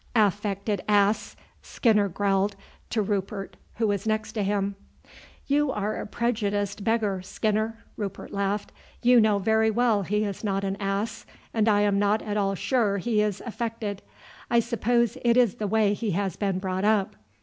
"Affected ass!" Skinner growled to Rupert who was next to him. "You are a prejudiced beggar, Skinner," Rupert laughed. "You know very well he is not an ass, and I am not at all sure he is affected. I suppose it is the way he has been brought up.